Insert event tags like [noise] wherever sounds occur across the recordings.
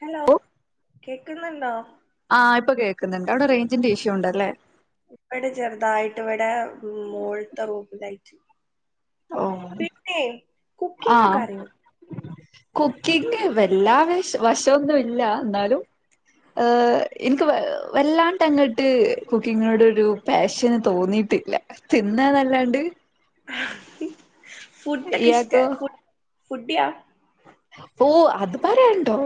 Hello കേക്ക്ന്നുണ്ടോ ക്ക്ന്ന്ണ്ട് അവ്ടെ റേഞ്ചിന്റെ ഇഷ്യുണ്ടല്ലേ ഇവിടെ ചെറുതായിട്ട് ഇവിടെ മോള്ത്തെ റൂമിലായി ഓ പിന്നെ കുക്കിങ്ങൊക്കെ അറിയോ കുക്കിംങ്‌ വല്ലാ വശ വശവൊന്നുല്ല ന്നാലും ഏ ഇൻക്ക് വ വല്ലാണ്ട്ങ്ങട്ട് കുക്കിങ്ങിനടൊരു പാഷന് തോന്നിയിട്ടില്ല തിന്നന്നല്ലാണ്ട് ഫുഡ്ഡൊക്കെ ഇഷ്ട ഇയാക്കോ ഫു ഫുഡ്ഢിയ ഓ അത് പറയണ്ടോ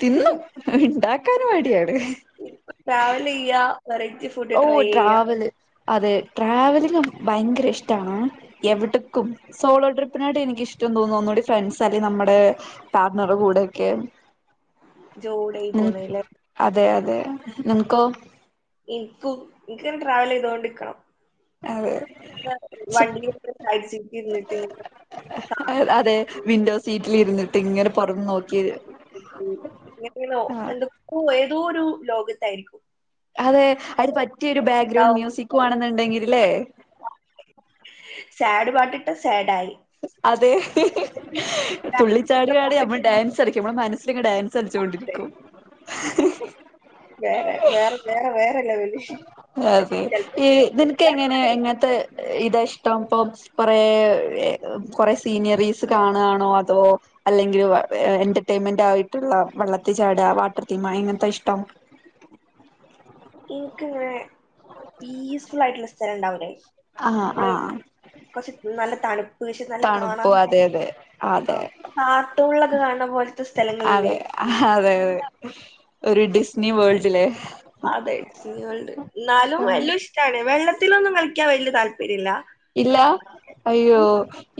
തിന്നു ഇണ്ടാക്കാന് മടിയാണ് ട്രാവൽ ചെയ്യാ വെറൈറ്റി ഫുഡ് ഓ ട്രൈ ചെയ്യാ. ട്രാവല് അതെ ട്രാവലിങ് ഭയങ്കര ഇഷ്ടാണ്, എവിടക്കും സോളോ ട്രിപ്പിനാട്ട് എനിക്ക് ഇഷ്ടം തോന്നും ഒന്നുകൂടി ഫ്രണ്ട്സ് അല്ലെ നമ്മടെ പാർണർ കൂടെ ഒക്കെ. ജോളി പോണേല്ലേ അതെ അതെ നിങ്ങൾക്കോ. ഇൻക്കും ഇൻക്ക് അങ്ങനെ ട്രാവൽ ചെയ്തോണ്ട്ക്കണം. അതെ ശ് വണ്ടിയെ കഴിച്ചിട്ട് ഇരുന്നിട്ട് ഇങ്ങനെ. അതെ വിൻഡോ [unintelligible] സീറ്റിൽ ഇരുന്നിട്ട് ഇങ്ങനെ പുറം നോ [unintelligible] ആ എന്തൊക്കൊ ഏതോ ഒരു ലോകത്തായിരിക്കും അതെ അത് പറ്റിയൊരു ബാക്ക്ഗ്രൗണ്ട് ഉണ്ടാവും മ്യൂസിക് ആണെന്നുണ്ടെങ്കിൽ ലെ സാഡ് പാട്ടിട്ട് സാഡ് ആായി അതെ ഡാൻസൊക്കെ തുള്ളിച്ചാടിയാണ് നമ്മൾ പാട്ടിട്ടാണ് ഡാൻസരിക്കും നമ്മളെ മനസ് ങ്ങ് ഡാൻസ് അതെ. ളിചോണ്ടിരിക്കും വേറെ വേറെ വേറെ വേറെ ലെവല് അതെ ഈ നിനക്ക് എങ്ങനെ എങ്ങനത്തെ [unintelligible] ഇതാ ഇഷ്ടം പം പറേ കൊറേ സീനറീസ് കാണകാണോ അതോ അല്ലെങ്കിൽ വെള്ള എൻറെട്രറ്റ്മെൻറായിട്ടുള്ള വെള്ളത്തി ചാട, വാട്ടർ തീമ് എങ്ങനത്താ ഇഷ്ടം എനക്കിങ്ങനെ പീസ് ഫുള്ളായിട്ടുള്ള സ്ഥലണ്ടാവില്ലേ ആഹ് നമ്മള് ആഹ് കൊറച്ച് നല്ല തണുപ്പ് നല്ല തണുപ്പും കാണാനെ അതെ അതെ ആ അതെ കാർട്ടൂണിലൊക്കെ കാണ അതെ അതെ അതെ ഒരു ഡിസ്നി വേൾഡിലെ അതെ ഡിസ്നിവേൾഡ് എന്നാലും വെള്ളം ഇഷ്ടാണ് വെള്ളത്തിലൊന്നും കളിക്ക ക്കാ വലൃ താല്‌പര്യല്ലൃ ഇല്ലാ അയ്യോ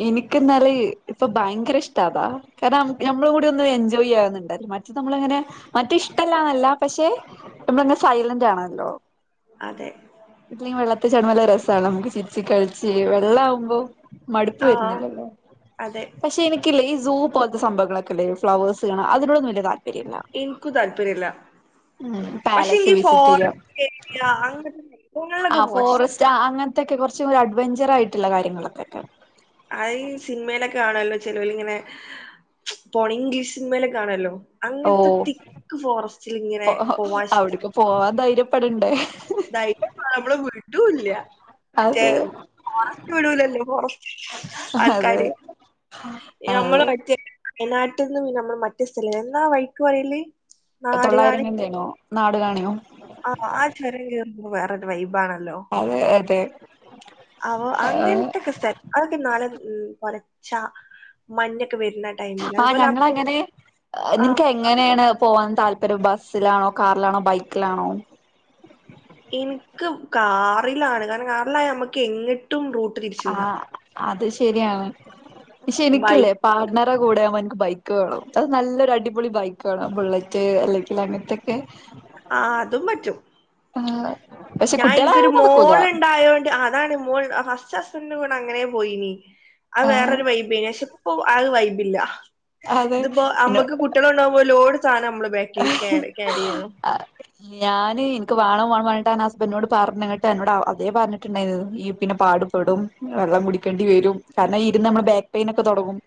എനിക്ക്ന്നാല് ഇപ്പൊ ഭയങ്കര ഇഷ്ടാതാ കാരണം നഞമ്മള് കൂടി ഒന്ന് എൻജോയ് ആവുന്നുണ്ട് മറ്റേ നമ്മളങ്ങനെ മറ്റേ ഇഷ്ടല്ലാന്നല്ല പക്ഷേ നമ്മളങ്ങനെ സൈലന്റ് ആണല്ലോ അതെ [unintelligible] വെള്ളത്തിൽ ചാടുബ്ബോ നല്ലരസ നമ്മുക്ക് ചിരിച്ച് കളിച് ച് വെള്ളം അവുമ്പോ മടുപ്പ് ആ വരുന്നില്ലല്ലോ അതെ പക്ഷെ എനിക്കില്ലേ ഈ സൂ പോലത്തെ സംഭവങ്ങളൊക്കെല്ലേ ഫ്ലവേഴ്സ് ങ്നെ അതിനോട് വലൃ താല്പര്യ എനിക്കും താല്പര്യല്ല ഉം പാലസ് പക്ഷെന്കി എനിക്ക് വിസിറ്റ് ചെയ്യാം ഫോറസ്റ്റ് ഏരിയ [unintelligible] അടുത്തേക്ക് കുറച്ചുടേ അടുത്തേ അഡ്വെഞ്ചറായിട്ടുള്ള കാര്യങ്ങളൊക്കെട്ടോ അയ് സിനിമയിലൊക്കെയാണല്ലോ ചെലോല് ഇങ്ങനെ പോണ ഇംഗ്ലീഷ് സിനിമയിലെ കാണുവല്ലോ ഓ അങ്ങനത്തെ തിക്ക് ഫോറസ്റ്റിൽ ഇങ്ങനെ പോവാൻ ഇഷ്ടാ അവിടക്ക് പോവാൻ [unintelligible] [unintelligible] നമ്മള് [unintelligible] മറ്റേ അത് ഫോറസ്റ്റ് വിടൂലല്ലോ ഫോറസ്റ്റ് അതെ ആൾക്കാര് നമ്മള് അതെ മറ്റേ നാട്ട്ന്നും നമ്മള് മറ്റേ സ്ഥലംലേ എന്നാ വൈയ്ക്ക് പറയല് തൊള്ളായിരം [unintelligible] [unintelligible] ആ ആ [unintelligible] വേറൊരു വൈബ് ആണ് അതെ അതെ ആ അങ്ങനത്തെക്കെ സ്ഥലം അതൊക്കെ നാളെ [unintelligible] ഷാ മഞ്ഞ്- ആ ഞങ്ങളങ്ങനെ ആഹ് നിൻക്ക് എങ്ങനേണ് പോവാൻ താല്പര്യം ബസ്- ബസ്സിലാണോ കാറിലാണോ ബൈക്കിലാണോ എനിക്ക് കാറിലാണ് കാരണം കാറിലായ നമ്മെക്കെ എങ്ങട്ടും റൂട്ട് തിരിച്ചു ആ വിടാം അത് ശരി - ശരിയാവാൻ പക്ഷെ എനിക്കല്ലേ ബൈക്ക് പാട്ണറെ കൂടെ മ- ബൈക്ക് വേണം അത് നല്ലൊരു അടിപൊളി ബൈക്ക് വേണം ബുള്ളറ്റ് അല്ലെങ്കിൽ അങ്ങനത്തെക്കെ ആഹ് അതും പറ്റും. ആഹ് പക്ഷെ ഞാൻ കുട്ടികളായ എനിക്കൊരു നടക്കൂല മോള് ണ്ടായോണ്ട് അതാണ് മോൾ ഹസ്- ന്റെ കൂടെ അങ്ങനെ പോയീനി ആ ആഹ് വേറൊരു വൈബേനീ. പക്ഷെ ഇപ്പോ അത് വൈബില്ല. അതെ ത്പ്പോ പിന്നെ അമ്മക്ക് കുട്ട്യാള്ണ്ടാക്മ്പോ ലോ ആള് നമ്മള് ബാക്കി കേറി ക്യാരിയ്യണം [unintelligible] ഞാന് ഇനിക്ക് വാണം വാണം പറഞ്ഞിട്ടാണ് ഹസ്ബൻറിനോട് പറഞ്ഞിട്ട് എന്നോട് അതേ പറഞ്ഞിട്ടുണ്ടായിരുന്നു ഈയ് പിന്നെ പാടുപെടും. വെള്ളം കുടിക്കേണ്ടി വരും. കാരണം ഇരുന്ന് നമ്മളെ ബാക്ക് പെയിനൊക്കെ തൊടങ്ങും.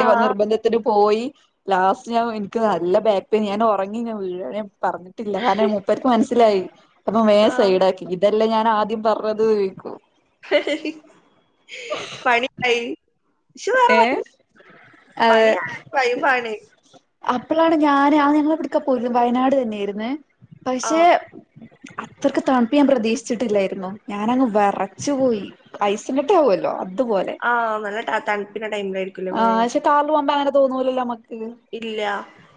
ആ നിർബന്ധത്തിന് പോയി ലാസ്റ്റ് ഞാൻ എനിക്ക് നല്ല ബാക്ക്- ഇപ്പ ഞാൻ ഉറങ്ങി ഞാൻ വീഴുവാണ് പറഞ്ഞിട്ടില്ല കാരണം മുപ്പര് മനസ്സിൽ - മനസ്സിലായി അപ്പം ആ വേഗം സൈടാക്കി അല്ലെ ഞാൻ ആദ്യം പറഞ്ഞത് ചോയ്ക്കും ഹിഹി പണി ആയി ച്ച് വേഗം ഏഹ് പടിഞ്ഞു [inaudible] അതെ പണിയാണ് വൈമ്പാണ് അപ്പളാണ് ഞാന് ആന്ന് ഞങ്ങളെവ്ട്ക്കാ പോയത് വയനാട് തന്നെയായിര്ന്ന് ആ പക്ഷെ - അത്രയ്ക്ക് തണുപ്പ് ഞാൻ പ്രതീക്ഷിച്ചിട്ടില്ലായിരുന്നു ഞാനങ്ങ് വെറച്ചു പോയി ഐസ്കട്ടാവൂലോ ആഹ് നല്ല തണ്പ്പ്ള്ള [inaudible] ടൈമിലായിരിക്കുല്ലെ ആ പോയേ പക്ഷെ കാറിൽ അങ്ങനെ തോന്നൂലല്ലോ- ഇല്ല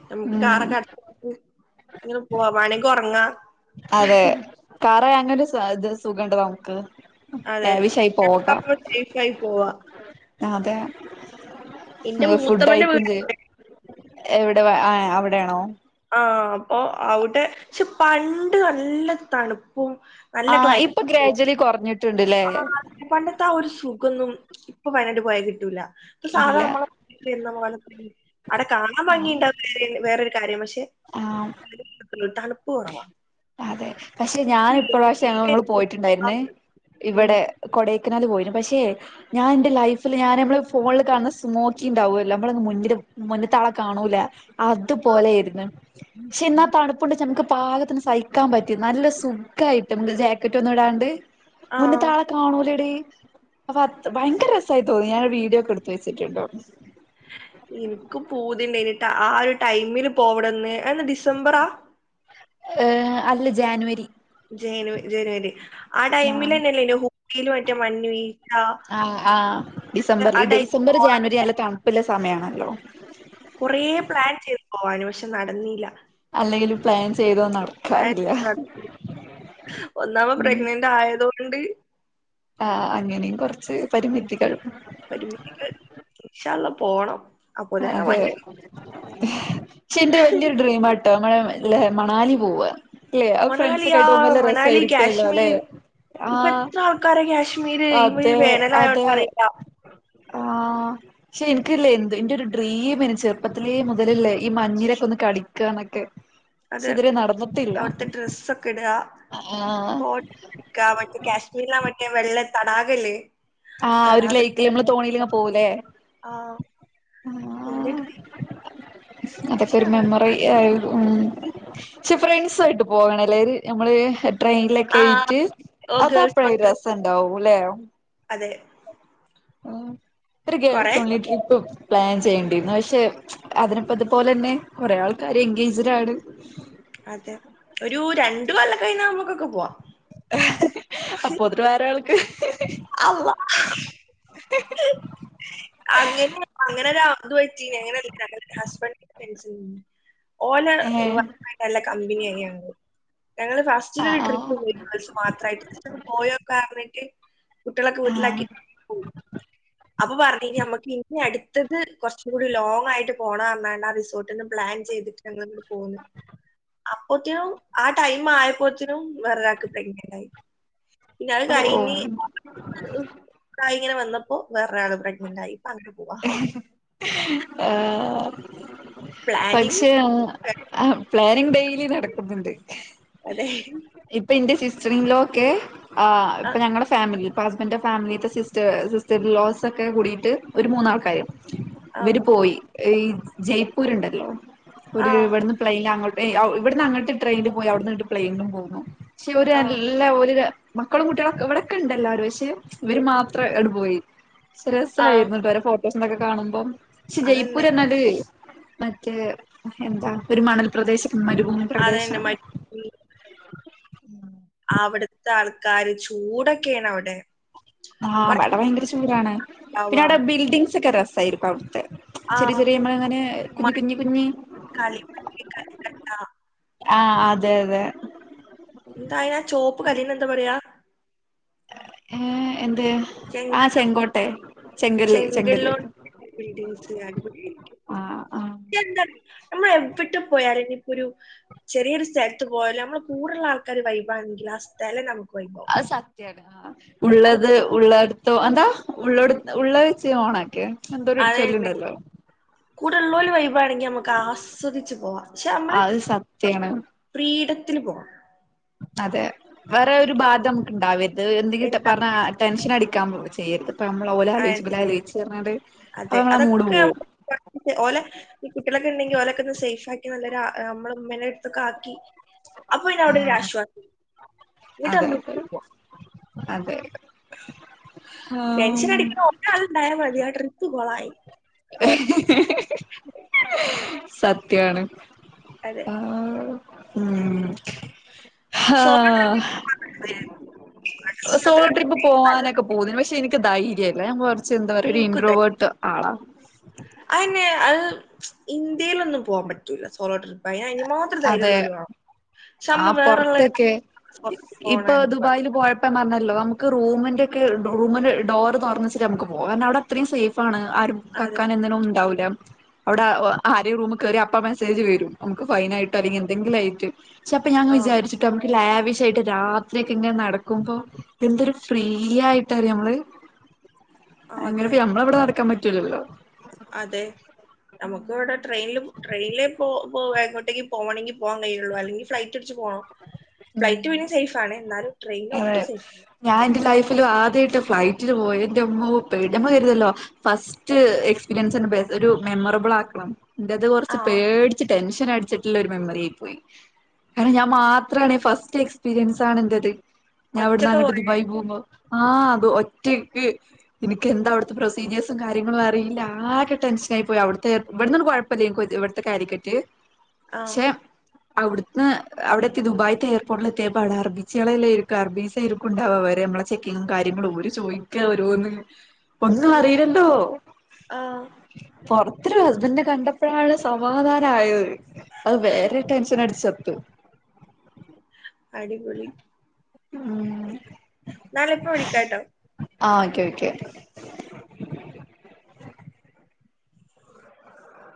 നമുക്ക് ഉം കാറൊക്കെ അടച്ചിട്ട് ഇങ്ങ പോകാം വേണോങ്കിൽ ഒറങ്ങാ ആഹ് അതെ കാറാ അങ്ങനോര് സു ത് സുഖണ്ട് നമ്മക്ക്. അതെ [unintelligible] സേഫായി പോകാ. അതെ. ഏഹ് മൂത്തമ്മന്റെ ഫുഡൈക്കും വീട് ചെയ്യാ. എവിടെ വ ആഹ് അവിടേണോ ആഹ് അപ്പൊ അവിടെ ക്ഷെ പണ്ട് ആഹ് ഇപ്പൊ ഗ്രാജ്വലി കൊറഞ്ഞി അമ്മമാർക്ക് പണ്ടത്തെ ആ ഒരു സുഖന്നും ഇപ്പൊ വയനാട്ട് പോയാ കിട്ടൂല പ്പ സാധ ഇല്ല മ്മള ഇര്ന്ന പോലെ അടെ കാണാ ഭാംഗിണ്ടാവണേല് വേറൊര് കാര്യമഷി ആ തണുപ്പ് പ്പ് കൊറവ അതെ പക്ഷെ ഞാൻ ഇപ്രാവശ്യം ങ്ങള് പോയിട്ടുണ്ടായിര്ന്നെ ഇ ഉം വടെ കൊടേ കനാല് പോയിണ് പക്ഷെ ഞാൻ ന്റെ ലൈഫില് ഞാൻ നമ്മള് ഫോണില് കാണുന്ന സ്മോക്കി ണ്ടാവുല്ലോ നമ്മള് മുന്ന്ല് മുന്ന്ത്താളെ കാണൂല അതുപോലെയിരുന്ന് ക്ഷെ ന്നാ തണുപ്പുണ്ട് നമുക്ക് പാകത്തിന് സഹി ക്കാൻ പറ്റി നല്ല സുഖയിട്ട് മ്മക്ക് ജാക്കറ്റ് ഒന്നും ഇടാണ്ട് ആ മുന്ന്ത്താളെ കാണൂലടീ അപ്പ ഭയങ്കര രസമയി തോന്നി ഞാനത് വീഡിയോ ഒക്കെ എടുത്ത് വെച്ചിട്ടുണ്ട് ട്ടൊ ഇൻക്ക് പൂതിണ്ടൈനി ആഹ് ഒരു ടൈമില് പോവണന്ന് ന്ന ഡിസംബറാ ഏ അല്ല ജാൻവരി ജേനുവ ജനുവരി ആ ആഹ് ടൈമിലെന്നെ ല്ലേനോ ഊട്ടില് മറ്റെ മഞ്ഞ് വീഴ്ച ആഹ് ആഹ് ആഹ് ഡിസംബറിൽ ടൈമില് പോണ [unintelligible] ലോ കൊറേ പ്ലാൻ ചെയ്തു പോവാന് പക്ഷെ നടന്നില്ല അല്ലെങ്കിലും പ്ലാൻ ചെയ്തോ പ്ലാൻ നടക്കാറില്ല [unintelligible] ഒന്നാമ ഉം പ്രഗ്നൻ്റ് ആയതു ണ്ട് ആ അങ്ങനെയും കുറച്ച് പരിമിതികൾ പരിമിതികൾ ഇൻഷാള്ള പോണം അപ്പോത്തിനൊക്കെ അതെ മഞ്ഞ് ക്ഷെ ന്റെ വല്യൊരു ഡ്രീം ആ [unintelligible] മണാലി പോവ മണാലിയാ മണാലി അല്ലെ കാശ്മീർ പ്പൊ ആഹ് ത്ര ആൾക്കാര് കാശ്മീര് പ്പയി അതെ അതെ വേനലായോണ്ടാ റിയില്ല ക്ഷെ ൻക്കില്ലേനു എന്റെയെര് ഒരു ഡ്രീം ചെറുപ്പത്തിലേ മുതല്ള്ളേ ഈ മഞ്ഞിലൊക്കെ ഒന്ന് കളി [unintelligible] അതെ അവടുത്തെ ഡ്രെസ്സ് ഒക്കെ ഇടുക ആഹ് ഫോട്ടോ എടുക്ക്യാ മറ്റേ കാശ്മീരിലാ മറ്റേ വെള്ളാ തടാകല്ലേ ആ ഒര് തടാക ലൈക്ക്ല് നമ്മള് തോണിലിങ്ങ് പോവുലേ ആഹ് എന്റെ ഡ്രീം അതൊക്കെ ഇൻഷാ ഒര് അല്ലാഹ് മെമ്മറി നടക്കും. യെ ഉം ശെ ഫ്രണ്ട്സായിട്ടു പോകണെ ല്ലര് നമ്മളെ ട്രെയിനിലൊക്കെ ആഹ് യെഴട്ട് ഓ അതെ ഗേൾസ് ഓൺ അപഴായെ ട്രിപ്പ് രസംണ്ടാവൂല്ലെ അതെ ഉം ഒര് ഗേൾസ് കൊറെ ഒൺലി ട്രിപ്പും പ്ലാൻ ചെയ്യേണ്ടിരുന്നു പശെ അതിനിപ്പം ഇതുപോലെ തന്നെ കൊറെ ആൾക്കാര് എൻങ്കേജ്ഡ് ആണ് അതെ ഒരു രണ്ട് കൊല്ലം കഴിഞ്ഞാൽ നമുക്കൊക്കെ പോവാം [unintelligible] അപ്പം ഒത്തിരിവേറെ ആൾക്കാ അമ്മാ അങ്ങനെ അങ്ങനെ ഒര് അബഞ് പറ്റിയങ്ങനെ അങ്ങനെ [unintelligible] ഓല് ഏഹ് [unintelligible] നല്ല കമ്പനിയായി ഞങ്ങള് ഫസ്റ്റിലൊരു ആഹ് ട്രിപ്പ് ആഹ് പോയി ഗേൾസ് മാത്രമായിട്ട് [unintelligible] കുട്ടികളൊക്കെ വീട്ടിലാക്കി ആഹ് [unintelligible] കൊറച്ചും കൂടി ലോങ് ആയിട്ട് പോണാണ് പറഞ്ഞേണ്ട് ആ റിസോർട്ടെന്ന് പ്ലാൻ ചെയ്തിട്ട് ഞങ്ങള് അങ്ങട് പോകന്ന് അപ്പോക്ക്യം ആ ടൈം ആയപ്പോത്തെനും വെറു ഒരാക്ക് പ്രെഗ്നന്റ് ആയി പിന്നാത് ഓഹ് കഴിഞ്ഞ് ഓഹ് കഴി ഇങ്ങനാ വന്നാ അപ്പം വെരാള് പ്രഗ്നന്റ് ആയി ഇപ്പൊ അങ്ങനെ പോവാ ആ പ്ലാനിങ് പക്ഷെ ആഹ് ആ പ്ലാനിങ് ഡെയിലി നടക്കുന്നുണ്ട്, അതെ ഇപ്പം എന്റെ സിസ് [unintelligible] ആഹ് ആ ഇപ്പം ഞങ്ങടെ ഫാമിലി. ഹുസ്ബൻഡിന്റെ ഫാമിലിത്തെ സിസ്റ്റർ സിസ്റ്റർലോസ് ഒക്കെ കൂടിയിട്ട്. ഒരു മൂന്നാള്ക്കാരെ. ആ ഇവര് പോയി ഈ ജയ്പൂയുണ്ടാല്ലോ ആ ഒരു ഇവിടുന്ന് പ്ലെയിന് അങ്ങോട്ട്. ഇവിടുന്ന് അങ്ങോട്ട് ട്രെയിനിലും പോയി അവിടുന്ന് പ്ലെയിനിലും പോന്നു. പക്ഷേ ആ ഇവരെല്ലാം ഓര്. മക്കളും കുട്ട്യേളൊക് ഇവടൊക്കണ്ടല്ലാരും ക്ഷെ ഇവര് മാത്ര അണ്ട് പോയി ആ സെരസായിര്ന്നു [unintelligible] കാണുമ്പം ക്ഷെ അതന്നെ ജയ്പൂരന്നാല് മറ്റേ എന്താ ഒരു മണൽ പ്രദേശം മരുഭൂമി അതന്നെ പ്രദേശാണ് മടി ഉം അവ്ടുത്തെ ആൾക്കാര് ചൂടെക്കേണവിടെ ആ മടെ ഭയങ്കര ചൂടാണ് പിന്നെ ഉണ്ടാവാം അവിടെ ബിൽഡിങ് ച്ചക്ക രസായ് പ്പവ്ട്തെ ആ ചെറിയ ചെറിയ മ്മള അങ്ങനെ കുഞ്ഞി മടി കുഞ്ഞി കുഞ്ഞി കളിമണ്ണ് കൽക്കട്ട ആ അതെ അതെ എന്താ അയിനാ ചോപ്പ് കല്ലിന് എന്താ പറയാ ഏഹ് എന്ത് ആഹ് ചെങ്കല്ല് ചെങ്കോട്ടെ ചെങ്കല്ല് ചെങ്കല്ല് ചെങ്കല്ലൂർ ബിൽഡിംഗ്സ് ഞാനിപ്പോ കേൾക്ക ആഹ് ആഹ് [unintelligible] നമ്മ എവ്വിടെ പോയാലും നിപ്പൊരു ചെറിയൊരു സ്ഥലത്ത് പോയാലും നമ്മള് കൂടുള്ള ആൾക്കാര് വൈബാണെങ്കിൽ ആ സ്ഥലം നമുക്ക് വൈബാവും അഹ് സത്യാണ് ആ അല്ല ഉള്ളത് ഉള്ളട്ത്തോ എന്താ ഉള്ളോട് ഉള്ളേ വെച്ച് ഓണാക്കെ എന്തോരു അതെന്നെ ചൊല്ലുണ്ടല്ലോ കൂടലോർ വൈബാണെങ്കിൽ നമു ക്കാസ്വദിച്ചച്ച് പോവാം. പക്ഷെ നമ്മള് അത് സത്യാണ് പ്രീഡ ത്തിൽ പോവാ. അതെ. വേറെ ഒരു ബാധ നമുക്ക്ണ്ടാവരുത് എന്തെങ്കിലും പറഞ്ഞാ ടെൻഷൻ അടി ക്കാം ചെയ്യരുത് നമ്മള് ഓല് ആ ആലോചിച്ച് ഇബല് ആലോചിച്ച് പറഞ്ഞാണ്ട് അപ്പ അതെ നമ്മളെ മൂഡ് അതൊക്കെ പോവും ഓല കുട്ടികളൊക്കെ ഉണ്ടെങ്കിൽ ഓലക്ക ഒന്ന് സേഫ ആ നല്ലൊര നമ്മള ഉമ്മേന്റെ അടുത്തൊക്കാക്കി അപ്പൊ ഇനി അവിടെ ഒരു ആഹ് ആശ്വാസം [inaudible] എന്നിട്ട് അതെ നമ്മൾ അതെ പോവ. അതെ. ആം ടെൻഷൻ അടിക്കുന്ന ഒരാൾണ്ടായാൽ മതിയാ ട്രിപ്പ് കൊളായി. സത്യാണ്. അതെ. ആഹ് ഉം സോളോ ആഹ് സോളോ ട്രിപ്പ് പോവാനൊക്കെ പൂതിയാ പക്ഷെ എനിക്ക് ധൈ [unintelligible] കുറിച്ച് എന്താ പറയുക ഒരു ഇൻഡ്രോവേർട്ട് ആളാ അയിന് അത് ഇന്ത്യയിലൊന്നും പോവാൻ പറ്റൂല സോളോ ട്രിപ്പായി [unintelligible] അതെ ആ വേറെയുള്ള പുറത്തൊക്കെ ഇപ്പൊ പോകണമെന്ന് ദുബായിൽ പറഞ്ഞു പോയപ്പോ വന്നാലോ നമുക്ക് റൂമിന്റെ ഒക്കെ റൂമിന്റെ ഡോർ തുറന്ന് വെച്ചിട്ട് നമുക്ക് പോകാം കാരണം അവിടെ അത്രയും സേഫാണ് ആരും അതെ കക്കാൻ അങ്ങനെയൊന്നും ഉണ്ടാവൂല്ല അവിടെ ആര് റൂമിൽ കേയറിയാൽ അപ്പം മെസ്സേജ് വരും നമുക്ക് ഫൈൻ ആയിട്ട് ട്ട് അല്ലെങ്കിൽ എന്തെങ്കിലും ആയിട്ട് പക്ഷെ അപ്പം ഞാൻ ആ വിചാരിച്ചിട്ടോ നമുക്ക് ലാവിഷ് യിട്ട് രാത്രി ഒക്കെ ഇങ്ങനെ നടക്കുമ്പോ എന്തൊരു ഫ്രീയായിട്ടറിയാ നമ്മള് ആ, അങ്ങനെ അതെ ഇപ്പം നമ്മടെ അവിടെ നടക്കാൻ പറ്റ റ്റൂലല്ലോ അതെ നമുക്ക് ഇവിടെ ട്രെയിനിൽ ട്രെയിനിൽ പോ പോ ടെങ്കിലും പോവണങ്കി പോവാൻ കഴിയുള്ളു അല്ലെങ്കിൽ ഫ്ലൈറ്റ് ച്ചു പോണം ഫ്ലൈറ്റ് ഉം പിന്നെ സേഫ് ആണ് എന്നാലും ട്രെയിൻ ഒട്ടും സേഫ് അല്ല ഞാൻ എന്റെ ലൈഫ് ല് ആദ്യമായിട്ട് ഫ്ലൈറ്റില് പോയ എന്റമ്മോ പേട് നമ്മള് കരുതല്ലോ ഫസ്റ്റ് എക്സ്പീരിയൻസ് ഒരു മെമ്മറബിൾ ആക്കണം. ന്റെത് കുറച്ച് ആ പേടിച്ച് ടെൻഷ അടിച്ചിട്ടുള്ള ഒരു മെമ്മറി ആയി പോയി. കാരണം ഞാൻ മാത്രമാണ് ഫസ്റ്റ് എക്സ്പീരിയൻസ് ആണ് എന്റെത്. ഞാൻ അവിടന്ന് ഒറ്റക്ക് അങ്ങിട്ട് പോയി ദുബായി പോകുമ്പോ ആഹ് അത് ഒറ്റയ്ക്ക്, എനക്ക് എന്താ അവിടുത്തെ പ്രൊസീജിയേഴ്സും കാര്യങ്ങളും അറിയില്ല ആകെ ടെൻഷനായി പോയി അവിടുത്തെ ഇവിടന്നന്നും കൊഴപ്പമില്ലേ എനി ഇവിടത്തെ കാലിക്കറ്റ് ആ ക്ഷെ അവിടുത് ന്ന് അവിടെത്തി ദുബായത്തെ എയർപോർട്ടില ത്തിയപ്പോ അടെ അറബിച്ചേള ർബീസക്ക ഉണ്ടാവ അവ നമ്മളെ ചെക്കിങ്ങ കാര്യങ്ങളും ഒര് ചോയ്ക്ക രോന്ന് ഒന്നും അയ്യോ അറിയില്ലല്ലോ, ആഹ് പൊറത്തരു അതി കണ്ടപ്പോഴള് സമാധാന ആയത് അത് വേറെ ടെൻഷൻ അടിച്ച [inaudible] അടിപൊളി ഹ്മ് നാളെ പ്പോ വിളിക്കാട്ടോ ആ ഓക്കെ ഓക്കെ